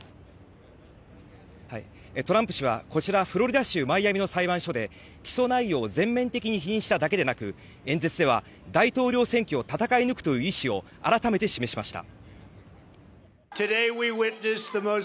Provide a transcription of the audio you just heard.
トランプ氏は、こちらフロリダ州マイアミの裁判所で起訴内容を全面的に否認しただけでなく演説では、大統領選挙を戦い抜くという意思を改めて示しました。